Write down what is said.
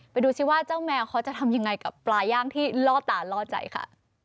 ดูสิว่าเจ้าแมวเขาจะทำยังไงกับปลาย่างที่ล่อตาล่อใจค่ะ